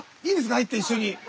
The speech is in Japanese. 入って一緒に。